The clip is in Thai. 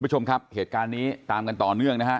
คุณผู้ชมครับเหตุการณ์นี้ตามกันต่อเนื่องนะฮะ